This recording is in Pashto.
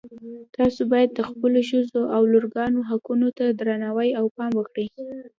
تاسو باید د خپلو ښځو او لورګانو حقونو ته درناوی او پام وکړئ